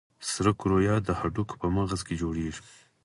سره کرویات د هډوکو په مغز کې جوړېږي.